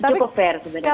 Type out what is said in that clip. cukup fair sebenarnya